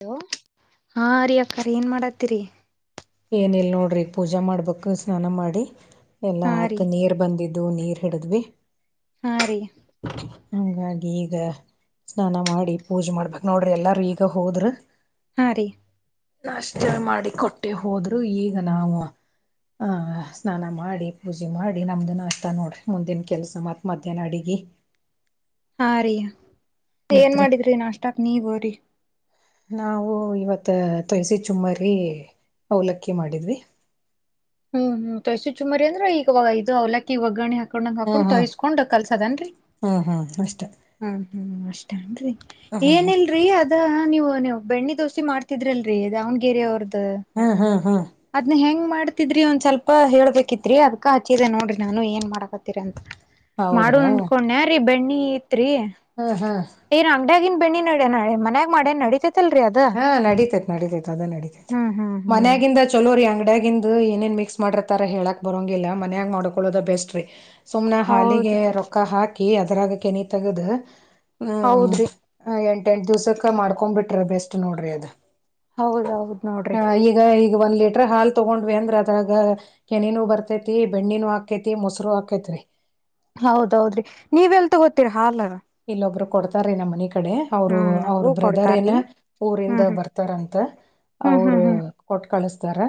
Hello ಹಾ ಅರಿ್ಯಕ್ಕ ರ ಏನ್ ಮಾಡತ್ತೀರಿ ಏನಿಲ್ ನೋಡ್ರಿ ಪೂಜಾ ಮಾಡ್ಬೇಕು ಸ್ನಾನ ಮಾಡಿ ಎಲ್ಲಾ ಹಾ ರೀ ಆತ್ ನೀರ್ ಬಂದಿದ್ದ್ ಇದು ನೀರ್ ಹಿಡಿದ್ವಿ ಹಾ ರೀ ಹಂಗ ಇದ ಸ್ನಾನ ಮಾಡಿ ಪೂಜೆ ಮಾಡ್ಬೇಕಕ್ ನೋಡ್ರಿ ಎಲ್ಲಾರೂ ಈಗ ಹೋದ್ರ ಹಾ ರೀ ನಾಷ್ಟ ಮಾಡಿ ಕೊಟ್ಟ ಹೊಟ್ಟೆ ಹೋದ್ರು ಈಗ ನಾವು ಆಹ ಸ್ನಾನ ಮಾಡಿ ಪೂಜೆ ಮಾಡಿ ನಮ್ದನ್ನು ಹತ ನೋಡ್ರಿ ಮುಂದಿನ ಕೆಲಸ ಮತ್ತ ಮಧ್ಯಾಹ್ನ ಅಡಗಿ ಹಾ ರಯ ಏನ್ ಮಾಡಿದ್ರಿ ನ ಅಷ್ಟಕ್ ನೀವ ಹ್ರ ನಾವು ಇವತ್ತ ತಯಸಿ ಚುಮ್ಮಾರಿ ಅವಲಕ್ಕಿ ಮಾಡಿದ್ವಿ ಹ್ಮ್ ಹ್ಮ್ ತಳ್ಸಿ ಚುಮರಿ ಅಂದ್ರ ಈಗವಾಗ ಇದು ಅವಲಕ್ಕ ಇ ಒಗ್ಗಣೆಾ ಹಾಕೊಂಡಂಗ ಹ್ಮ್ ಹಾಕೊಂಡು ಹ್ಮ್ ತೋರಿಸ್ಕೊಂಡ್ ಕಲ್ಸದೇನ್ರಿ ಹ್ಮ್ ಹ್ಮ್ ಅಷ್ಟ ಹ ಹ್ಮ್ ಅಷ್ಟೇನ್ರಿ ಏನಿಲ್ರಿ ಅದ ನೀವು ನೀವು ಬೆಣ್ಣೆ ದೋಸೆ ಮಾಡ್ತಿದ್ರಲ್ರರಿ ದಾವಣಗೆರೆ ಅವ್ರ್ದು ಹ್ಮ್ ಹ್ಮ್ ಹ್ಮ್ ಅದ್ನ್ನ ಹೆಂಗ ಮಾಡ್ತಿದ್ರಿ ಒಂದ್ ಸ್ವಲ್ಪ ಹೇಳ್ಬೇಕಿತ್ರಿ ಅದಕ ಆಚೀದ ನೋಡ್ರಿ ನಾನು ಏನ್ ಮಾಡಕತ್ತೀರ ಅಂತ ಹೌದ್ರಾ ಮಾಡುಂಕೊಂಡೆ ರೀ ಬೆಣ್ಣಿ ನೀ ರಿ ಹ್ಮ್ ಹ್ಮ್ ರಾಮ ಮಗನ್ ಬೆಣಿ ನಡ ನಾೆ ಮನ್ಯಾಗ ಮಾಡೆ ನಡೀತ ಹಾ ನಡೀಿತೈತ್ ನಡಿತೈತ್ ಅದ ನಡಿತೈತಿ ಹ್ಮ್ ಹ್ಮ್ ಹ್ಮ್ ಮನ್ಯಾಗಿಿಂದ ಚಲೋರಿ ಅಂಗಡಿಯ ಏನೇನ್ ಮಿಕ್ಸ್ ಮಾಡರತಾರ ಹೇಳಕ್ ಬರೋಂಗಿಲ್ಲಾ ಮನ್ಯಾಗ ಮಾಡ್ಕೊಳ್ಳೋದ ಬೆಸ್ಟ್ ರೀ ಸುಮನೆ ಹೌದ್ ಹಾಲಿಗೆ ರೊಕ್ಕ ಹಾಕಿ ಕಿ ಅದರಾಗ ಕೆನಿ ತಗದು ಹೌದ್ರಿ ಟಂಟ್ ದಿವಸಕ ಮಾಡ್ಕೊ್ ಬಿಟ್ರೆ ಬೆಸ್ಟ್ ಷ್ಟ ನೋಡ್ರಿ ಅದ ಹೌದೌದ್ ನೋಡ್ರಿ ಹ ಈಗ ಈಗ ಒಂದ್ ಲೀಟ್ರ ಹಾಲ್ ತಗೊಂಡ್ವಿ ಅಂದ್ರ ಅದ್ರಾಗ ಕೆನಿನೂ ಬರ್ತೈತಿ ಬೆಣ್ಣಿನೂ ಹಾಕೈತಿ ಮೊಸರು ಹಾಕೇತ್ರಿ ಹೌದೌದ್ರಿ ನೀವ ಎಲ್ ತಗೋತೀರಿ ಹಾಲ್ಲ್ಲ ಇಲ್ಲೊಬ್ರು ಕೊಡ್ತಾರೀ ನಮ್ಮ ಮನಗ್ ಕಡೆ ಅವರು ಹ್ಮ್ ಅವ್ರ ನಮಗೂ ಬ್ರದರ್ ಏನ ಕೊಡ್ತಾರ್ರಿ ಊರಿಂದ ಹ್ಮ್ ಬರ್ತಾರಂತ ಹ್ಮ್ ಹ್ಮ್ ಅವರು ಹ್ಮ್ ಹ್ಮ್ ಕೊಟ್ ಕಳಸ್ತ ತರ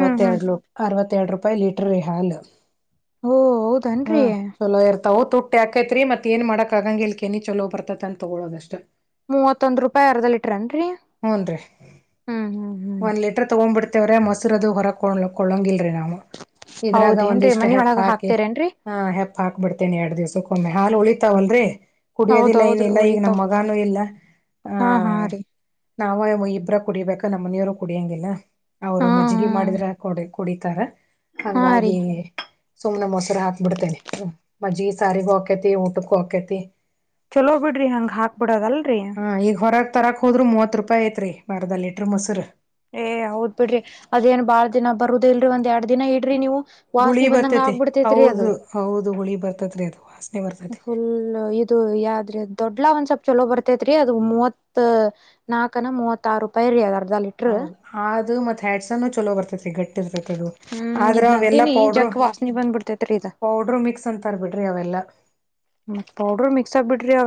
ಹ್ಮ್ ಹ್ಮ್ ಅರವತ್ತೆರಡು ರೂಾಯ ರೂಪಾಯಿ ಲೀಟರ್ ರ ಹಾಲ್ ಓ ಹೌದನ್ರಿ ತ ತುಟ್ಟಿಾಕೈತ್ರಿ ಮತ್ ಏನ್ ಮಾಡಕ್ ಕಗಂಗಿಲ ಕನಿ ಚಲೋ ಬರ್ತ ಅ ತಗೊೊಳ್ಳೋದಷ್ಟು ಮೂವತ್ತೊಂದ್ ರೂಪಾಯಿ ಅರ್ಧ ಲೀಟರ್ನ್ರರಿ ಹೂನ್ರಿ. ಹ್ಮ್ ಹ್ಮ್ ಹ್ಮ್ ವ್ರ ಮೊಸರುದದು ಹೊರಕೊಳ್ಳೊಂಗಿಲ್ರಿ ನಾವು ಇದ್ರಾಗ ಹೌದೇನ್ರರಿ ಒಂದಿಷ್ಟ್ ಮನಿ ಹೆಪ್ಪ ಒಳಗ ಹಾಕಿ ಹಾಕ್ತಿರೇನ್ರರಿ ಆ ಹೆಪ್ಪ ಹಾಕ್ ಬಿಿಡ್ತೇನೆ ಎರಡ್ ದಿವ್ಸ ಒಮ್ಮೆ ಹಾಲ್ ಉಳಿತಾವಲ್ರರಿ ಹ್ಮ್ಮ್. ಕುಡಿಯೋದಿಲ್ಲ ಹೌದೌದ್ರಿ ಏನಿಲ್ಲ ಈಗ ನಮ ಉಳಿತಾವ್ ಮಗಾನು ಇಲ್ಲ ಹಾ ಹಾ ರೀ ಆಹ ನಾವ ಇಬ್ರ ಕುಡಿಬೇಕ ನಮ್ಮನಿಯವರು ಕುಡಿಯಂಗಿಲ್ಲ ಅವ್ರು ಹಾ ಮಜ್ಜಗಿ ಹ್ಮ್ ಮಾಡಿದ್ರ ಕುಡಿ ಕುಡಿತಾರ ಹಾ ರೀ ಹಾಗಾಗಿ ಸುಮ್ನೆ ಮೊಸರ ಹಾಕ್ಬಿಡ್ತೇನೆ ಮಜ್ಜ ಸಾರಿಗೂ ಹಾಕೈತಿ ಊಟಕ್ಕೂ ಹಾಕೈತಿ ಚಲೋ ಬಿಡ್ರಿ ಹಂಗ ಹಾಕ್ ಬಿಿಡದಲ್ರಿ ತರಕ್ ಹೋದ್ರರು ಮೂವತ್ ರೂಪಾಯಿ ಐತ್ರಿ ಬರ್ದ ಲೀಟ್ರ ಮೊಸರು ಏ ಹೌದ್ ಬಿಡ್ರಿ ಅದೇನ್ ಬಾಳ್ ದಿನ ಬರುದ ಇಲ್ರರಿ ಒಂದ್ ಎರಡ್ ದಿನ ಇಡ್ರಿ ನೀವು ಹುಳಿ ವಾಸನೆ ಬಂದಂಗ ಬರ್ತೈತಿ ಆಗ್ಬಿಡ್ತೈತ್ರಿ ಅದು ಹೌದು ಹೌದು ಹುಳಿ ಬರ್ತೈತ್ರಿ ಅದು ವಾಸನೆ ಬರ್ತೈತಿ ಫುಲ್ ಇದು ಯಾದ್ರೆ ದೊಡ್ಲಾ ಒಂದ್ಸಪ್ ಚಲೋ ಬರ್ತೇತ್ರಿ ಅದು ಮೂವತ್ ನಾಕನ ಮೂವತ್ತ ಆರು ರೂಪಾಯಿ ರೀ ಅದರ್ದ ಹೌದು ಆದ ಮತ್ ಹ್ಯಾಡ್ಸನ್ ಚಲೋ ಬರ್ತದೆ ಗಟ್ಟಿ ಇರ್ತ ಅದು ಹ್ಮ್ ಆದ್ರ ಇದ್ ಅವೆಲ್ಲ ನಂದಿನಿ ಪೌಡರು ಜಗ್ ವಾಸನಿ ಬಂದ್ಬಿಡ್ತೇತ್ರಿ ಇದ ಪೌಡ್ರ ಮಿಕ್ಸ್ ಅಂತ ಬಿಡ್ರಿ ಅವೆಲ್ಲ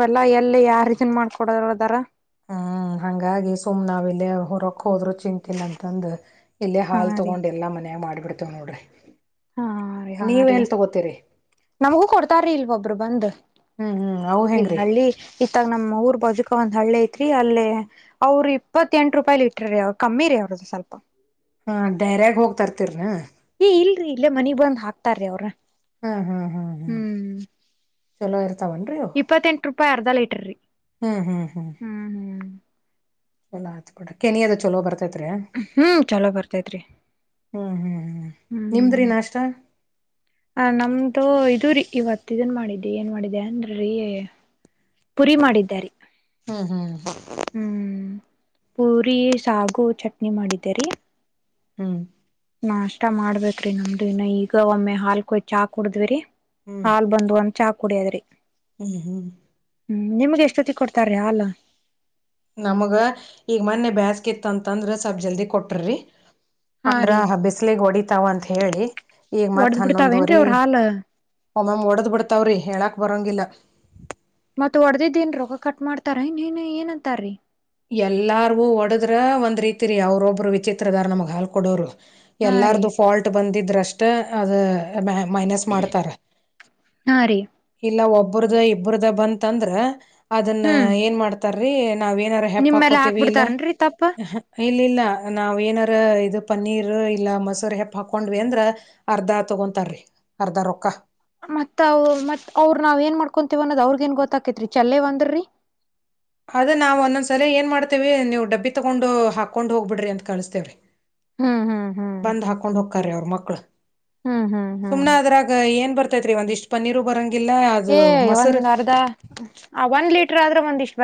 ಎಲ್ಲ ಎಲ್ಲಿ ಯಾರ ರೀತಿನ್ ಮಾಡ್ಕೊಡದಾರ ಹ್ಮ್ ಹಂಗಾಗಿ ಸುಮ್ ನಾವ ಇಲ್ಲ ಹೊರಕ್ ಹೋದ್ರು ಚಿಂತಿಲ್ಲ ಅಂತಂದ ಇಲ್ಲೇ ಹಾ ಹಾಲ್ ರೀ ತೊಗೊಂಡ್ ಎಲ್ಲಾ ಮನಯಾಗ ಮಾಡ್ಬು ಅಡ್ತನೋಡ ಹಾ ರರಿ ಹಾ ರೀ ನಮಗೂ ಕೊಡ್ತಾರೀ ಇಲ್ವೊಬ್ರು ಬಂದ್ ಹ್ಮ್ ಹ್ಮ್ ಅವು ಇಲ್ಲ ಹೆಂಗ್ರಿ ಹಳ್ಳಿ ಇತ್ತಾಗ ನಮ್ಮ ಊರ್ ಬಜಕ್ ಒಂದ್ ಹಳ್ಳಿ ಐತ್ರಿ ಅಲ್ಲೇ ಅವ್ರರು ಇಪ್ಪತ್ತ ಎಂಟು ರೂಪಾಯಿ ಲೀಟ್ರ ರೀ ಅವ ಕಮ್ಮಿ ರೀ ಅವ್ರದ್ದ ಸ್ವಲ್ಪ ಹಾ ಡೈರ್ಯಾಗ ಹೋಗ್ತರ್ತಿರ್ರ ಏ ಇಲ್ರರಿ ಇಲ್ಲೇ ಮನಿಗ್ ಬಂದ್ ಹಾಕ್ತಾರೀ ಅವ್ರ ಹ್ಮ್ ಚಲೋ ಇರ್ತಾವನ್ರಿ ಅವು ಇಪ್ಪತ್ತೆಂಟು ರೂಪಾಯಿ ಅರ್ಧಳ ಇ ತರಿ ಹ್ಮ್ ಹ್ಮ್ ಹ್ಮ್ ಚಲ ಆಯ್ತಬೋಡ ಕೆಿ ಅದ ಚಲೋ ಬರ್ತ್ತೆ ಹ್ಮ್ ಚಲೋ ಬರ್ತತ್್ರಿ ಹ್ಮ್ ಹ್ಮ್ ಹ್ಮ್ ನಿಮ್ದ್ರಿ ನಾಷ್ಟ ಆ ನಮ್ದು ಇದು ರರಿ ಇವತ್ ಇದನ್ ಮಾಡಿದ್ದಿ ಏನ್ ಮಾಡಿದೆ ಅಂದ್ರೀ ಪುರಿ ಮಾಡಾರಿ ಹ್ಮ್ ಹ್ಮ್ ಹ ಪೂರಿ ಸಾಗು ಚಟ್ನಿ ಮಾಡಿದ್ದೀರಿ ಹ್ಮ್ ನಾ ಅಷ್ಟ ಮಾಡ್ಬೇ್ರಿ ನಮ್ದ ಇನ್ನ ಈಗ ಒಮ್ಮೆ ಹಾಲ್ಕಯ ಚಾ ಕುಡದ್ವಿರಿ ಹ್ಮ್ ಹಾಲ್ ಬಂದ ಒಂದ ಚಾ ಕುಡಿಯದ್ರಿ ಹ್ಮ್ ಹ್ಮ್ ಹ್ಮ ನಿಮ್ಗೆ ಎಷ್ಟೊತ್ತ ಕೊಡ್ತಾರ ಅಲ್ಲ ನಮಗ ಈಗ ಮೊನ್ನೆ ಬ್ಯಾಸ್ಕ್ಿ ಇತ್ತ ಅಂತಂದ್ರ ಸ್ವಲ್ ಜಲ್ದಿ ಕೊಟ್ರಿ ಹಾ ಅಂದ್ರ ರೀ ಬಿಸಲಗ್ ಹೊಡಿತಾವ ಅಂತ ಹೇಳಿ ಈಗ ಮತ್ ಒಡ್ದ್ ಬಿಡ್ತಾವೇನ್ರೀ ಹನ್ನೊಂದರಿ ಅವ್ರ ಹಾಲ್ ಒ ಮ್ಯಾಮ್ ಒಡದ್ ಬಿಡ್ತಾವ್ರಿ ಹೇಳಕ್ ಬರಂಗಿಲ್ಲ ಮತ್ ಹೊರ್ದದ ನ್ ರೊೋಗ ಕಟ್ ಮಾಡ್ತಾರ ಇನ್ನ್ ಏನ್ಂತಾರೀ ಎಲ್ಲಾರ್ಗೂ ಒಡದ್ರ ಒಂದ್ ರೀತಿ ರರಿ ಅವ್ರೊಬ್ರು ವಿಚಿತ್ರದಾರ ನಮಗ್ ಹಾಲ್ ಕೊಡೋರು ಹಾ ರೀ ಎಲ್ಲಾರ್ದು ಫಾಲ್ಟ್ ಬಂದಿದ್ರ ಅಷ್ಟ ಅ ಮೈನಸ್ ಮಾಡ್ತಾರ ಹಾ ರೀ ಇಲ್ಲ ಒ ಇಬ್ಬ್ರದು ಇಬ್ಬ್ರದ ಬ ಅಂತಂದ್ರ ಅದನ್ನ ಹ್ಮ್ ಏನ್ ಮಾಡ್ತ ಸರರಿ ನಾವ್ ಹೆಪ್ ನಿಮ್ಮೇಲೆ ಹಾಕೋತೇವಿ ಇಲ್ಲ ಹಾಕ್ಬಿಡ್ತಾರನ್ರಿ ತಪ್ಪ ಇಲ್ಲಿಲ್ಲ ನಾವವು ಏನಾರ ಇ ಪನ್ನೀರ್ ಇಲ್ಲ ಮೊಸೂರು ಹೆಪ್ ಹಾಕೊಂಡ್ವಿ ಅಂದ್ರ ಅರ್ಧ ತಗೊಂತಾರಿ ಅರ್ಧ ರೊಕ್ಕ ಮತ್ ಮತ್ ಅವ್ರರು ನಾವ್ ಏನ್ ಮಾಡ್ಕೊಂತೀವ ಅನ್ನೋದ ಅವ್ರಗ ಏನ್ ಗೊತ್ತಾಕೇತ್ರಿ ಚಲ್ಲೇ ಒಂದ್ರ್ರಿ ಅದ ನಾವವು ಒಂದೊಂದ್ ಸಲ ಏನ್ ಮಾಡ್ತೇವಿ ನೀವು್ ಡಬ್ಬಿ ತಗೊಂಡು ಹಾಕೊಂಡ್ ಹೋಗ್ಬಿಡ್ರಿ ಅಂತ ಕಳಿಸಸ್ತೇವ್ರಿ ಹ್ಮ್ ಹ್ಮ್ ಹ್ಮ್ ಬಂದ್ ಹಾಕೊಂಡ್ ಹಕ್ಕಾರೆ ಅವ್ರ ಮಕ್ಳು ಹ್ಮ್ ಹ್ಮ್ ಹ್ಮ್ ಸುಮ್ನೆ ಅದ್ರಾಗ ಏನ್ ಬರ್ತ ಐತ್ರಿ ಒಂದ ಇಷ್ಟ್ ಪೀರು ಬರಂಗಗೆ ಏ ಒಂದ್ ಅರ್ಧ ಒಂದ್ ಲೀಟರ್ ಆದ್ರೆ ಒಂದ್ಿಷ್ಟ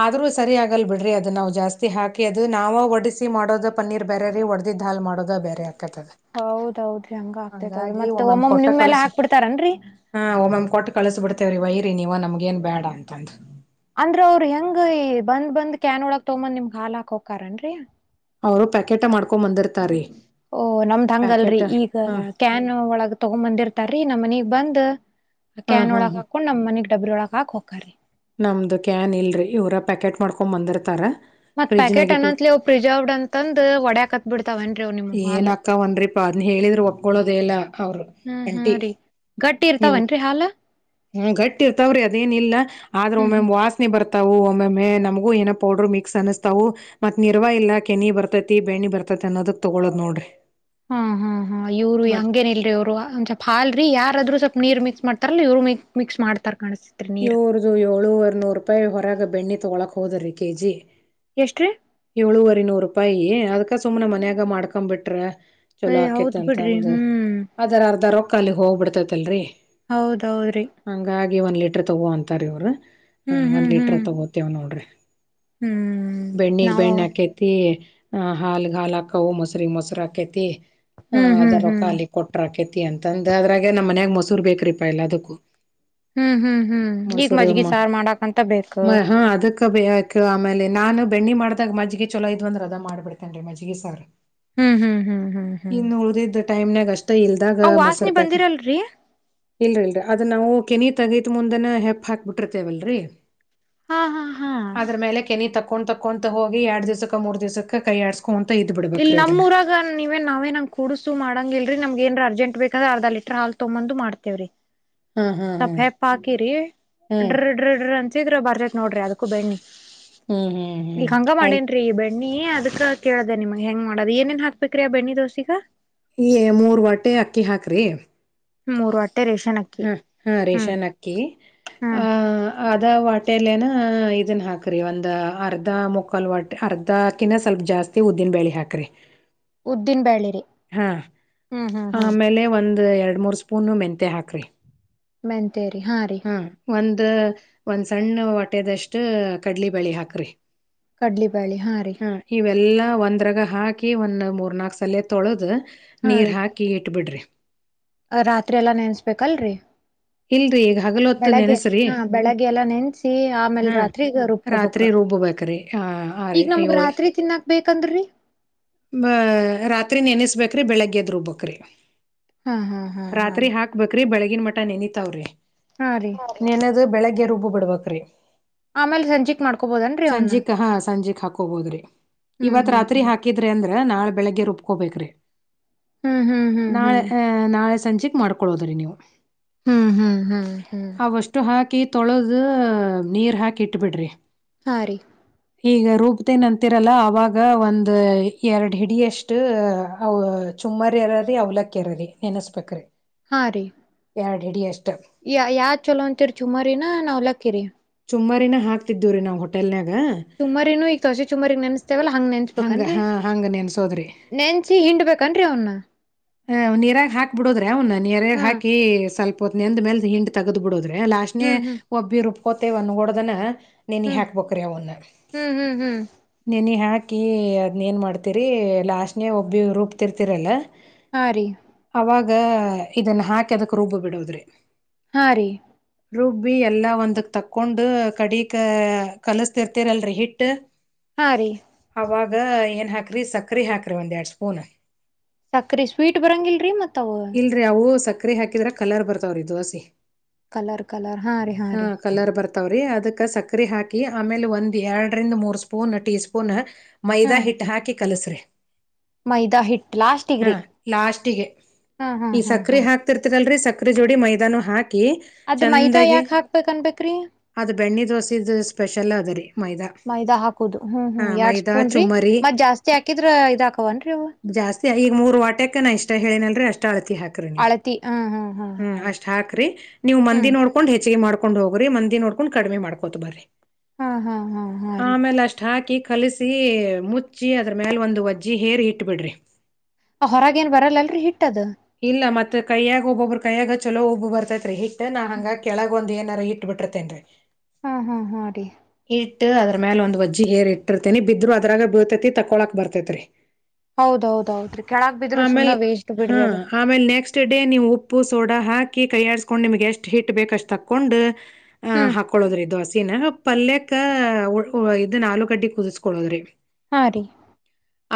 ಆದ್ರೂ ಸರಿ ಆಗಲ್ ಬಿಡ್ರಿ ಅದು ನಾವು ಜಾಸ್ತಿ ಹಾಕಿ ಅದು ನಾವವು ಒಡಿಸಿಿ ಮಾಡೋದ ಪನ್ನೀರ್ ಬೇರೆ ರೀ ಹೊಡ್ದಿ ಹಾಲ್ ಮಾಡೋ ಬೇರೆ ಹೌದೌದ್ರಿ ಹಂಗ ಆಗ್ತೇತ ಹೌದ ಹಂಗಾಗಿ ಮತ್ತತ್ ಒಮ್ಮೊಮ್ ಒಮ್ಮೊಮ್ಮ ಕೊಟ್ಟ ನಿಮ್ೆಲ್ಲಾ ಹಾಕ್ಬ ಬಿಡ್ತಾರನ್ರರಿ ಕೊಟ್ಟು ಕಳಸ್ ಬಿಡ್ತೇವ್ರಿ ವೈರಿೀ ನೀವ ನಮ್ಗ ಏನ್ ಬೇಡ ಅಂತಂದ ಅಂದ್ರ ಅವ್ರ ಹೆಂಗ್ ಬಂದ್ ಬಂದ್ ಕ್ಯಾನ್ ಒಳಗ್ ತಗೊಂದ್ ನಿಮ್ಗ್ ಹಾಲ್ ಹಾಕೋಕನ್ರರಿ ಅವರು ಪ್ಯಾಕೆಟ್ ಮಾಡ್ಕೊಂಡ ಬಂದಿತತಿ ಓ ನಮ್ದ್ ಹಂಗಲ್ರರಿ ಈಗ ಕ್ಯಾನ್ ಒಳಗ್ ತಗೊ ಬಂದಿರ್ತಾರೀ ನಮ್ಮ್ನಗ್ ಬಂದ್ ಹಾ ಕ್ಯಾನ್ ಹಾ ಒಳಗ ಹ ಹಾಕೊಂಡ್ ನಮ್ ಮನಗ್ ಡಬ್್ರರೊಳ ಹಾಕ್ ಹಕಾರಿ ನಮ್ದು ಕ್ಯಾನ್ ಇಲ್ರರಿ ಇವರ ಪ್ಯಾಕೆಟ್ ಮಾಡ್ಕೊಂಡ್ ಬಂದಿರ್ತಾರ ಮತ್ ಫ್ರಿಜ್ನಾಗ ಪ್ಯಾಕೆಟ್ ಇಟ್ಟು ಅನಂತ ಪ್ರಿಸರ್ವಡ್ ಅಂತಂದ ಒಡ್ಯಾಕ್ತ್ ಬಿಡ್ತಾವ ಏನ ಅಕ್ಕವನ್ಿ ಪ ಅ ಹೇಳಿದ್ರರು ಒಗ್ಗಳೋದ ಎಲ್ಲ ಅವರು ಹ್ಮ್ ಹಾ ಅಂಟಿ ರೀ ಗಟ್ಟಿ ನಿಮ ಇರ್ತಾವನ್ರಿ ಹಾಲ ಹಾ ಗಟ್ಟಿರ್ತವ್ರಿ ಅದೇನಿಲ್ಲ ಆದ್ರ ಹ್ಮ್ ಒಮ್ಮ ಹ್ಮ್ ವಾಸನೆ ಬರ್ತಾವು ಒಮ್ಮೊಮ್ಮೆಮಗೂ ಏನೋ ಪೌಡ್ರರ್ ಮಿಕ್ಸ್ ಅನಸ್ತಾವು ಮತ್ ನಿರ್ವ ಇಲ್ಲ ಕೆನಿ ಬರ್ತೈತಿ ಬೆಣ್ಣಿ ಬರ್ತೈತಿ ಅನ್ನೋದಕ್ ತೊಗೊಳೋ್ ನೋಡ್ರಿ ಹ್ಮ್ ಹ್ಮ್ ಹಾ್ ಇವ್ರು ಮತ್ ಹಂಗೇನ್ ಇಲ್ರಿ ಅವ್ರು ಒಂದ್ ಸ್ವಪ ಹಲ್ರಿ ಯಾರಾದ್ರೂ ಸ್ವಲ್ಪ್ ನೀರ್ ಮಿಕ್ಸ್ ಮಾಡ್ ತರಲ್ಲಿ ಇವರು ಮ ಮಿಕ್ಸ್ ಮಾಡತಾರೆ ಇವ್ರದು ಏಳೂವ ನೂರು ರೂಪಾಯಿ ಹೊರಗ ಬೆಣ್ಣಿ ತೊಗೊಕ್ ಹೋದ್ರೀ ಕೆಜಿ ಎಷ್ಟ್ರೀ ಏಳೂುವರಿ ನೂರು ರೂಪಾಯಿ ಅದ್ಕ ಸುಮ್ನೆ ಹ್ಮ್ ಹ್ಮ್ ಮನ್ಯಾಗ ಹ್ಮ್ ಮಾಡ್ಕೊ ಬಿಿಟ್ರ ಚಲೋ ಏ ಆಕೇತ್ ಹೌದ್ ಬಿಡ್ರಿ ಅಂತಂದ ಹ್ಮ್ ಅದರ ಅರ್ಧ ರ ಕಾಲಗ್ ಹೋಗ್ಬಡ್ತೈತಲ್ರರಿ ಹೌದೌದ್ರಿ ಒನ್ಿ ಇ ತಗೋ ಅಂತಾರೆ ಇವ್ರು ಹ ಹ್ಮ್ ಒಂದ್ ಹ್ಮ್ ಲೀಟ್ರ ಹ್ಮ್ ತಗೋತೇವ ನೋಡ್ರಿ ಹ್ಮ್ ಬೆಣ್ಣಗ್ ನಾವು ಬೆಣ್ಣ ಹಕೇತಿ ಹ ಹಾಲ್ ಹಾ ಹಾಕವು ಮೊಸರಿ ಮೊಸರು ಹಾಕೇತಿ ಹ ಹ್ಮ್ ಹ್ಮ್ ಅದರ ಹ್ಮ್ ಖಾಲಿ ಕೊಟ್ರಾಕಿತಿ ಅಂತಂದ ಅ್ರಾಗೆ ನಮ್ಮ ಮನ್ಯಾಗ ಮೊೂರ್ ಬೇಕ್ರೀಪಾ ಎಲ್ಲ ಅದಕ್ಕೂ ಹ್ಮ್ ಹ್ಮ್ ಹ್ಮ್ ಈಗ ಮಜ್ಗಿ ಸಾರು ಮಾಡಕಂತ ಬೇಕು ಬಕ್ ಆಮೇಲೆ ನಾನು ಬೆಣ್ಣಿ ಮಾಡ್ದಾಗ ಮಜ್ಜಿಗೆ ಚಲೋ ಇದ್ಂದ್ರ ಅದ ಮಾಡ್ಬಿಡ್ತೇನ್ರೀ ಮಜ್ಜಿಗೆ ಸಾರು ಹ್ಮ್ ಹ್ಮ್ ಹ್ಮ್ ಹ್ಮ್ ಹ್ಮ್ ಟಮ್ನಾಗಷ್ಟ ಅ್ ವಾಸನೆ ಬಂದಿರಲ್ರರಿ ಇಲ್ರಿ ಇಲ್ರರಿ ಅದನ್ನ ನಾವು ಕೆನಿ ತಗ ತ್ ಮುಂದನ ಹೆಪ್ ಹಾಕ್ಬಿಟ್ಟಿರ್ತೇವಲ್ರರಿ ಹಾ ಹಾ ಹಾ ಅದ್ರ ಮೇಲೆ ಕೆನಿ ತಕ್ಕ ಕೊಂಡ ತಕೊಂತ ಹೋಗಿ ಎರಡ್ ದಿವಸಕ ಮೂರು ದಿವ್ಸ ಕೈ ಆಡಡ್ಕು ಇಲ್ ನಮ್ಮ ಊರಾಗ ನೀವ ನಾವೇ ನಂಗ್ ಕೂಡ್ಸು ಮಾಡಂಗ ಇಲ್ರರಿ ನಮ್ಗ ಏನ್ ಅರ್ಜೆಂಟ್ ಬೇಕ್ರ ಅರ್ಧ ಲೀಟರ್ ಹಾಲ್ ತೊಂದು ಮಾಡ್ೇವ್ರೀ ಹ್ಮ್ ಹ್ಮ್ ಸ್ಪ ಹೆಪ್ಪ ಹಾಕಿರಿ ಹ್ಮ್ ಡ್ರ ಡ್ರಡ್ರಂತ ಶೀ್ರ ಬರೇ ನೋ್ರರಿ ಅದಕ್ಕೂ ಬೆಣಿ ಹ್ಮ್ ಹ್ಮ್ ಹ್ಮ್ ಅಳಿ ನೀ ಅದಕ್ಕ ಕೇಳ ಅ ನಿಮ್ ಹೆಂಗ ಮಾಡದ ಏನೇನ್ ಹಾಕ್ಬೇಕು್ರಿಾ ಬೆ್ಣ ದೋಸಿಗ ಈ ಮೂರ್ ಹೊಟ್ಟೆ ಅಕ್ಕಿ ಹಾಕ್ರಿ ಮೂರು ಅ ಹ್ಮ ಹಾ ರೇಷನ್ ಅಕ್ಕಿ ಆ ಹ್ಮ್ ಅದ ವಾಟೆಲ್ಲ ಏನ ಅಹ ಇದನ್ ಹಾಕ್ರಿ ಒಂದ ಅರ್ಧ ಮುಕ್ಕಾಲ್ ವಟ್ಟೆ ಅರ್ಧಕಿನ್ನ ಸ್ವಲ್ಪ ಜಾಸ್ತಿ ಉದ್ದಿನ ಬೇಳಿ ಹಾಕ್ರಿ ಉದ್ದಿನ್ ಬ್ಯಾೇಳೆ ಹಾ ಆಮೇಲೆ ಒಂದು ಎರಡು ಮೂರ್ ಸ್ಪೂನ್ ಮೆಂಂತೆ ಹಾಕ್ರಿ ಮ ತ್ತೇರಿ ಹಾ ರೀ ಒಂದ್ ಸಣ್ಣ ಹೊಟ್ಟೆದಷ್ಟ ಕಡ್ಲಿ ಬಳಿ ಹಾಕ್ರಿ ಕಡ್ಲಿ ಬ್ಯಾಳಿ ರೀ ಹಾ ಇವೆಲ್ಲಾ ಅಂದ್ರಾಗ ಹಾಕಿ ಒಂದು ಮೂರ್ ನಾಲ್ಕು ಸಲ ತೊಳೆದು ಹಾ ನೀರ್ ರೀ ಹಾಕಿ ಇಟ್ಬಿಡ್ರಿ ರಾತ್ರಿ ಎಲ್ಲಾ ನೆನ್ಸ್ಬೇಕಲ್ರರಿ ಇಲ್ರರಿ ಈಗ ಹಗಲ ಹೊತ್ತು ಬೆಳಗ್ಗೆ ನೆನಸ್ರಿ ಹಾ ಬೆಳಗ್ಗೆ ಎಲ್ಲಾ ನೆನ್ಸಿ ಆಮೇಲ್ ಹ್ಮ ರಾತ್ರಿಗ ರುಬ್ಕೊಬಕ್ ರಾತ್ರಿ ರುಬ್ಬೇಕ್ರಿ ಆ ಆ ರೀ ಈಗ ನಮ್ಗ್ ಏಳ್ ರಾತ್ರಿ ತಿನ್ನಾಕ್ ಬೇಕಂದ್ರಿ ರಾತ್ರಿ ನೆನೆಸ್ಬೇಕ ಅ ರೀ ಬೆಳಗ್ಗೆ ಎದ್ರುಬಕ್ರಿ ಹಾ ಹಾ ಹಾ ಹಾ ರಾತ್ರಿ ರೀ ಹಾಕ್ ಬಕ್ರ ಬೆಳಗ್ ಮ ನೆನ ತೌರ ಹಾ ರೀ ಇನದು ಬೆಳಗ್ಗೆ ಗೆ ರುಬ್ು ಬಿಡ್ಬೇಕ್ರೀ ಆಮೇಲ್ ಸಂಜಿಕ್ ಮಾಡ್ಕೊಬೋದನ್ರಿ ಅವನ್ನ ಸಂಜಿಕ ಹಾ ಸಂಜೆಕ್ ಹಾಕೋಬೋದ್ರಿ ಹ್ಮ್ ಇವತ್ ಹ್ಮ್ ಹ್ಮ್ ರಾತ್ರಿ ಹ್ಮ್ ಹಾಕಿದ್ರಿ ಅಂದ್ರ ನಾಳ ಬೆಳಿಗ್ಗೆ ರುಬ್ಕೋಬೇಕ್ರಿ ಹ್ಮ್ ಹ್ಮ್ ಹ್ಮ್ ನಾಳೆ ಆಹ್ ನಾಳೆ ಸಂಜೆೆಗೆ ಮಾಡ್ಕೊೊಳ್ಳೋದ್ರೀ ನೀವು ಹ್ಮ್ ಹ್ಮ್ ಹ್ಮ್ ಹ್ಮ್ ತೊಳೋದ ನೀರ್ ಹಾಕಿ ಇಟ್ ಬಿಡ್ರಿ ಹಾ ರೀ ಈಗ ರೂಪತೇನ್ ಅಂತಿರಲ್ಲ ಅವಾಗ ಒಂದ ಎರಡ್ ಹಿಡಿಯಷ್ಟ ಚುಮ್ಮರಿ ಇರೀ ಅವ್ಲಕ್ಕಿರರಿ ನೆನೆಸ್ಬೇಕ್ರಿ ಹಾ ರೀ ಿಡಿ ಅಷ್ಟು ಯ ಯಾವ್ ಚಲೋ ಅಂತಿರಿ ಸುಮಾರಿನ ನಾವ್ಲಾಕ್ಕಿರಿ ಸುಮ್ಮಾರಿನಾ ಹಾಕ್ತಿದ್ದವ ರೀಾವು ಹೊಟೆಲ್ನಾಗ ಚುಮರಿನು ಈಗ ದೋಸೆ ಚುಮರಿಗ್ ನೆನ್ಸ್ತೇವಲ್ಲ ಹಂಗ್ ಹಂಗ ನೆನ್ಸ್ಬೇಕನ್ರಿ ಹ ಹಂಗ ನನ್ಸೋದ್ರಿ ನೆನ್ಸಿ ಹಿಂಡ್ಬೇಕನ್ರಿ ಅವನ್ನ ನೀರಾಗ ಹಾಕ್ಬಿಡದ್ರಿ ಅವ ನೀರಾಗ ಹ್ಮ್ ಹಾಕಿ ಸ್ವಲ್ಪ ಪ ನೆಂದ ಮೇಲೆ ಹಂಡಿ ತಗದು ಬಿಡದು ೆ ಲಾಸ್ಟ್ನೇ ಹ್ಮ್ ಹ್ಮ್ ಒಬ್ಬಿರು ಕೊತೆವನ್ನು ಹೊಓಡ್ದನ ನೆನ ಹ್ಮ್ ಹಾಕ್ಬೇಕ್ರಿ ಅವನ್ನ ಹ್ಮ್ ಹ್ಮ್ ಹ್ಮ್ ನೆನಿ ಹಾಕ್ ಹಾಕಿ ಅದನ್ನೇಏನು ಮಾಡ್ತೀರಿ ಲಾಸ್ನೇ ಒಬ್ಬಿ ರೂಬ್ತಿರ್ತಿರಲ್ಲ ಹಾ ರೀ ಆ ಇದನ್ನ ಹಾಕಿ ಅದಕ್ ರೂಬ್ ಬಿಡದ್ರಿ ಹಾ ರೀ ರೂಬ್ಬಿ ಎಲ್ಲ ಒಂದು ತಕ್ಕೊಂಡು ಕಡಿಕ ಕಲಸ್ತಿರ್ತಿರಲ್ರಿ ಹಿಟ್ಟ ಹಾ ರೀ ಅವಾಗ ಏನ್ ಹಾಕ್ರಿ ಸಕ್ರೆ ಹಾಕ್ರಿ ಒಂದ್ ಎರಡು ಸ್ಪೂನ್ ಸಕ್ರ ಸ್ವೀಟ್ ಬರಂಗಿಲ್ರಿ ಮತ್ ಅವ ಸಕ್ರ ಹಾಕಿದ್ರೆ ಕಲರ್ ಬರ್ತಾವ್ರಿ ದದುೋಸಿ ಕಲರ್ ಕಲರ್ ಹಾಂ ರೀ ಹಾ ರೀ ಕಲರ್ ಬರ್ತಾವ್ರಿ ಅದಕ್ ಸಕರೆೆ ಹಾಕಿ ಆಮೇಲೆ ಒಂದ್ ಎರಡರಿಂದ ಮೂರ್ ಸ್ಪೂನ್ ಟೀ ಸ್ಪೂನ್ ಹಾ ಮೈದಾ ಹಿಟ್ಟು ಹಾಕಿ ಕಲಸ್ರಿ ಮೈದಾ ಹಿಟ್ ಹಾ ಲಾಸ್ಟಿಗ್ರಿ ಲಾಸ್ಟ್ಿಗೆ ಹಾ ಹಾ ಈ ಹಾ ಸಕ್ರೆ ಹಾ ಹಾಕ್ತಿರ್ತದಲ್ರರಿ ಸಕ್ರ ಚಕ್ರರೆ ಜಡಿ ಮೈದಾ ನ ಹಾಕ ಅದ್ ಮೈದಾ ಯಾಕಕ್ ಹಾಕ್ಬೇಕ ಅನ್ಬೇಕು ಅದ ಬೆಣ್ಣಿ ದೋಸೆದು ಸ್ಪೆಷಲ್ ಅದ್ರರಿ ಮೈದಾ ಹಾಕುದು ಹ್ಮ್ ಹಾ ಹ್ಮ್ ಎರಡ್ ಮೈದಾ ಸ್ಪೂನ್ ರೀ ಚುಮ್ಮರಿ ಮತ್ ಜಾಸ್ತಿ ಹಾಕಿದ್ರ ಇದಾಕವನ್ರಿ ಅವು ಜಾಸ್ತಿ ಈಗ ಮೂರ್ ವಾಟಕ ನಾ ಇಷ್ಟ ಹೇಳನಲ್ರರಿ ಅಷ್ಟ ಹಾಿ ನೀ ಅಳತಿ ಹಾ ಹಾ ಹಾ ಹ್ಮ ಹಾ ರೀ ಅಷ್ಟ್ ಹಾಕ್ರಿ ನೀವು್ ಮಂದಿ ಹ್ಮ್ ನೋಡ್ಕೊಂಡ್ ಹೆಚ್ಚಿಗೆ ಮಾಡ್ ಹೊಂಡ ಗು್ರ ಮಂದಿ ನೋಡ್ಕೊಂಡ ಕಡಿಮ ಮಾಡಕೋತ ಬರಿ ಹಾ ಹಾ ಹಾ ಹಾ ರೀ ಆಮೇಲೆ ಅಷ್ಟು ಹಾಕಿ ಕಲಸಿ ಮುಚ್ಚಿ ಅದ್ರ ಮ್ಯಾಲ ಒಂದು ವಜ್ಜಿ ಹೇರ್ ಇಟ್ಟ ಬಿಿಡ್ರಿ ಆ ಹೊರಗ ಏನ್ ಬರಲ್ಲಲ್ರಿಿಟ್ಟು ಇಲ್ಲ ಮತ್ತೆ ಕೈಯಾಗ ಒಬ್ಬೊಬ್ರು ಕೈಯಾಗ ಚಲೋ ಒಬ್ಬ ಬರ್ತೈತ್ ರರಿೀ ನಾನ್ ಹಂಗಗೆ ಕೆಳಗೊಂದ ಏನು ಾರ ಇಟ್ ಬಿಿತೇನ್ರಿ ಹಾ ಹಾ ಹಾ ರೀ ಇಟ್ಟ ಅದ್ರ ಮೇಲೆ ಒಂದು ವಜ್ಜ ಏ ಇಿರ್ತನಿ ಬಿದ್ರು ಅದ್ರಾಗ ಬ ಬಿತೈತಿ ತಕೊಳಾಕ್ ಬರ್ತೈತ್ರಿ ಹೌದೌದ ಹೌದುೀ ಕೆಳಗ್ ಬಿದ್ರರು ಸುಮ್ ವೇಷ್ಟ್ ಬಿ ಹಾ ಆಮೇಲೆ ನೆಕ್ಸ್ಟ್ ಡೇ ನೀವು ಉಪ್ಪು ಸೋಡಾ ಹಾಕಿ ಕೈಯ್ಯಾಡಿಸಸ್ಕೊಂಡು ನಿಮ್ಗೆ ಎಷ್ಟು ಹಿಟ್ ಬೇಕು ಅಷ್ಟು ತಕೊಂಡು ಹ್ ಹ್ಮ್ ಹಾಕೊಳ್ಳೋದ್ರಿ ದದು ಹಸಿನ ಪಲ್ಯಕ್ಕ ಇದು ನಾಲ್ು ಗಡ್ಡಿ ಕುದಿಸ್ಕಳೋದ್ರಿ ಹಾ ರೀ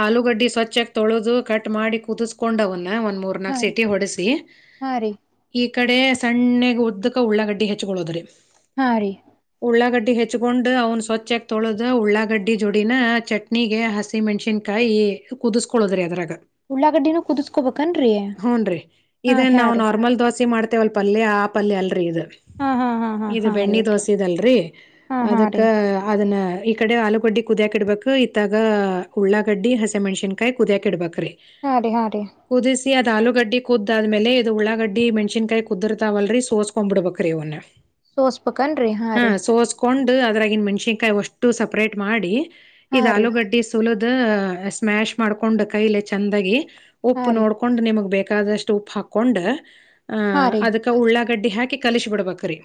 ಆಲೂಗಡ್ಡಿ ಸ್ವಚ್ಛಾಗಿ ತೊಳೆದು ಕಟ್ ಮಾಡಿ ಕುದಿಸ್ಕೊಂಡವನು ಒಂದ್ ಹಾ ರೀ ನಟಿ ಹೊ ಹಾ ರೀ ಕಡೆ ಸಣ್ಣಗ್ ಒದ್ದಕ ಉಳ್ಳಾಗಡ್ಡಿ ಹೆಚ್ಚಕೊಳ್ಳೋದ್ರಿ ಹಾ ರೀ ಡ್ಡಿ ಹೆಚ್ಕೊಂಡ್ ಅವ್ನು ಸ್ವಚ್ಗ ತೊಳೋದ ಉಳ್ಳಾಗಡ್ಡಿ ಜೋಡಿನ ಚಟ್ನಿಗೆ ಹಸಿ ಮೆಣ್ಸಿನ್ಕಾಯಿ ಕುದಿಸ್ಕೊಳದ್ರೀ ಅದ್ರಾಗ ಉುಳ್ಳಾ ಗಡ್ಡಿು ಕುುದು ಹ್ನ್ ರರಿ ಇದೇನ್ ಹಾ ನಾ್ ರೀ ನಾರ್ಮಲ್ ದೋಸೆ ಮಾಡ್ತ ಮತ್ತ ಒಲ್ ಪಲ್ಲಿಯ ಆ ಪಲ್ಲಿಯ ಅಲ್ರಿ ಇದು ಹಾ ಹಾ ಹಾ ಹಾ ಇದು ಹಾ ರೀ ಬೆಣ್ಣಿ ಓಕೆ ದೋಸೆಲ್ರಿ ಹಾ ಹಾ ಅದಕ್ಕ ರೀ ಅದನ್ನ ಈ ಕಡೆ ಆಲೂಗಡ್ಡಿ ಕುದಿಯ್ಯಾಕ ಇಡ್ಬೇಕು ಇತ್ತಾಗ ಉಳ್ಳಾಗಡ್ಡಿ ಹಸೆ ಮೆಣ್ಸಿನ್ಕಾಯಿ ಕುದಿಯಕ್ ಇಡ್ಬೇಕು ಹಾ ರೀ ಹಾಂ ರೀ ಅದ ಆಲೂಗಡ್ಡಿ ಕುದ್ದಾದ್ಮೇಲೆ ಇದು ಉಳ್ಳಾಗಡ್ಡಿ ಮೆಣಸನ್ಕಾಯಿ ಕುದಿರ್ತಾವಲ್ರರಿ ಸೋಸ್ಕೊಂಡ್ ಬಿಡ್ಬೇಕ್ರಿವನ್ನೇ ಸೋಸ್ಬೇಕನ್ರಿ ಹಾ ರೀ ಸೋಸ್ಕೊಂಡು ಅದ್ರಾಗಿನ್ ಮನ್ಷ್ಯ ಕಾಯಿ ಒಷ್ಟು ಸಪ್ರೇಟ್ ಮಾಡಿ ಹಾ ಇದು ರೀ ಆಲೂಗಡ್ಡಿ ಸೋಲೋ ಅ ಸ್ಮ್ಯಾಶ್ ಮಾಡ್ಕೊಂಡು ಕೈಲೆ ಚೆಂದಾಗಿ ಹಾ ಉಪ್ಪು ರೀ ನೋಡ್ಕೊಂಡು ನಿಮಗ್ ಬೇಕು ಬೇಕಾದ್ರಷ್ಟು ಉಪ್ಪ ಹಾಕೊಂಡು ಹ ಹಾ ರೀ ಅದಕ್ಕೆೆ ಉಳ್ಳ ಗಡ್ಡಿ ಹಾಕಿ ಕಲಿಸಿಿ ಬಿಡ್ಬೇಕ್ರೀ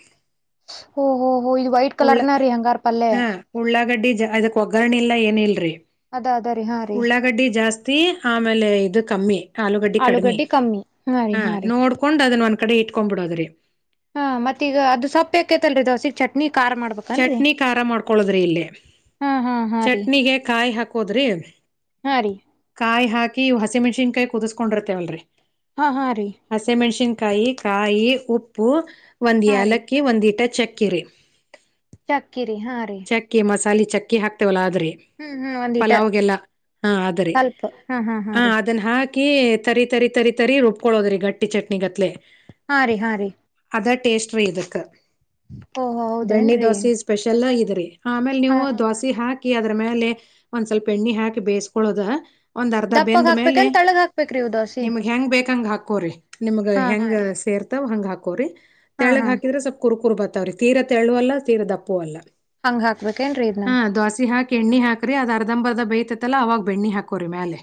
ಓ ಹೊೋ ಹೋ ಇದು ವೈಟ್ ಕಲರ್ ನ ರೀ ಹಂಗಾರ ಪಲ್ಲೆ ಗಡ್ಡಿ ಅದಕ್ ಒಗ್ಗರಣಿಲ್ಲ ಏನಿಲ್ರರಿ ಅದ ಅದ ರೀ ಹಾ ರೀ ಉಳ್ಳಾಗಡ್ಡಿ ಜಾಸ್ತಿ ಆಮೇಲೆ ಇ ಕಮ್ಮಿ ಆಲೂಗಡ್ಡಿ ಕಡಿಮೆ ಹಾ ನೋಡ್ಕೊಂಡ್ ಅದನ್ನ ಕಡೆ ಇಟ್ಕೊಂಡ್ಬ ಬಿಡೋದ್ರಿ ಹಾ ಮತ್ತೀ ಈಗ ಅದು ಸೊಪ್ಪಕೇತಲ್ರಿ ದಸಿಗ್ ಚಟ್ನಿ ಖಾರ ಮಾಡ್ಬೇಕನ್ರಿ ಚಟ್ನಿ ಖಾರ ಮಾಡ್ಕೊಳದ್ರಿ ಇಲ್ಲಿ ಹಾ ಹಾ ಹಾ ರೀ ಚಟ್ನಿಗೆ ಕಾಯಿ ಹಾಕೋದ್ರಿ ಹಾ ರೀ ಕಾಯಿ ಹಾಕಿ ಹಕಿ ಹಸಿ ಮಣಸಿನ್ಾಯ ಕುದ್ಕೊಂಡಿರತವಲ್ರಿ ಹಾ ಹಾ ರೀ ಕೈ ಕಾಯಿ ಉಪ್ಪು ಒಂದ್ ಹಾ ರೀ ಯಲಕ್ಕೆ ಒಂದಿ ಟಚ್ ಪಚ್ಚಕ್ಕಿರಿ ಚಾಕಿ ರ ಹಾ ರೀ ಚಕ್ಕಿ ಹಾಕ್ತವಲ್ಲ [unintelligible] ಹ್ಮ್ ಹ್ಮ್ ಒಂದಿಟ ಪಲಾವ್ಗೆಲ್ಲ ಹ್ರ ಸ್ವಲ್ಪ ಹಾ ಹಾ ಹಾ ಹ ರೀ ಅದ ಹ ಹಾಕಿ ತರಿ ತರಿ ತರಿ ತರಿ ರುಬ್ಕೊಳ್ಳೋದ್ರಿ ಗಟ್ಟಿ ಚಟ್ನಿಗತ್ಲೆ ಹಾಂ ರೀ ಹಾ ರೀ ಅದಾ ಟೇಸ್ಟ್್ರ ಇದುಕ್ಕೆ ಓಹ ಹೌದೇನ್ರಿ ಚೆಲ್ಲ ಇದ್ರೆ ಆಮೇಲೆ ಹಾ ನೀವು ಹಾ ದೋಸೆ ಹಾಕಿ ಹಾಕಿ ಅದ್ರ ಮೇಲೆ ಒಂದ್ ಸ್ವಲ್ಪ ಎಣ್ಣೆ ಹಾಕಿ ಬೇಯಿಸಕೊಳ್ಳೋದ ಒಂದ್ ಅರ್ಧ ದಪ್ಪಗ್ ಬೆಂದ ಮೇಲೆ ಹಾಕ್ಬೇಕನ್ ತಳ್ಳಗ್ ಹಾಕ್ಬೇಕ್ರಿ ಇವ್ ದೋಸಿ ನಿಮಗ್ ಹೆಂಗ್ ಬೇಕಂಗ ಹಾಕೋರಿ ನಿಮ್ಗ ಹಾ ಹಾ ಹೆಂಗ ರೀ ಸೇರ್ತಾವ್ ಹಂಗ ಹಾಕ ಕರಿ ಹಾ ತೆಳಗ್ ಹಾ ಹಾಕಿದ್ರೆ ಸ್ವಲ್ ಕುರ್ಕುರ್ ಬತ್ತೆ ತೀರ ತೆ ಹೇಳುವ ಅಲ್ಲ ತೀರ ದ ಅಪ್ಪ ಅಲ್ಲ ಹಂಗ್ ಹಾಕ್ಬೇಕೇನ್ರೀ ಇದ್ನ ಹಾ ದೋಸೆ ಹಾಕ್ ಎಣ್ಣೆ ಹಾಕ್ ಹಾ್ರರಿ ಅದ ಅರ್ಧಂಬರ್ಧ ಬೇಯತತಲ್ಲ ಅವಾಗ ಬೆಣ್ಣಿ ಹಾಕೋರರಿ ಮೇಲೆ